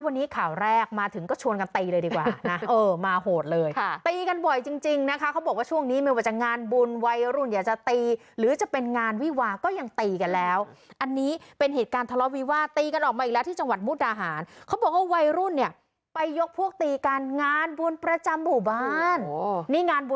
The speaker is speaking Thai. วันนี้ข่าวแรกมาถึงก็ชวนกันตีเลยดีกว่านะเออมาโหดเลยค่ะตีกันบ่อยจริงจริงนะคะเขาบอกว่าช่วงนี้ไม่ว่าจะงานบุญวัยรุ่นอยากจะตีหรือจะเป็นงานวิวาก็ยังตีกันแล้วอันนี้เป็นเหตุการณ์ทะเลาะวิวาสตีกันออกมาอีกแล้วที่จังหวัดมุกดาหารเขาบอกว่าวัยรุ่นเนี่ยไปยกพวกตีกันงานบุญประจำหมู่บ้านนี่งานบ